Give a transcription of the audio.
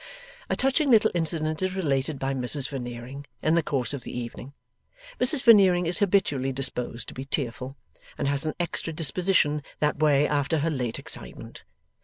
A touching little incident is related by Mrs Veneering, in the course of the evening. Mrs Veneering is habitually disposed to be tearful, and has an extra disposition that way after her late excitement.